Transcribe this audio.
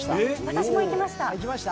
私も行きました。